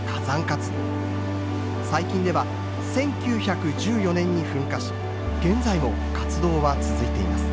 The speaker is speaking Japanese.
最近では１９１４年に噴火し現在も活動は続いています。